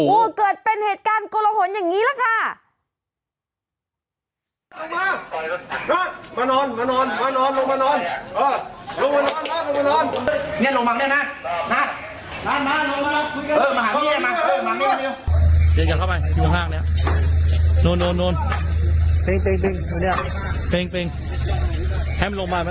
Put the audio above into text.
โอ้โหเกิดเป็นเหตุการณ์กลหนอย่างนี้แหละค่ะ